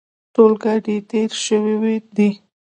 ټول ګاډي تېر شوي دي.